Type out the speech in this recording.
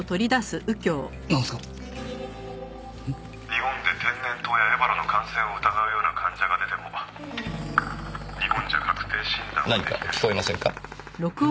「日本で天然痘やエボラの感染を疑うような患者が出ても日本じゃ確定診断は」何か聞こえませんか？